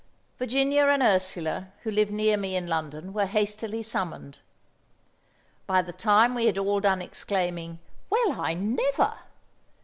Virginia and Ursula, who live near me in London, were hastily summoned. By the time we had all done exclaiming, "Well, I never!"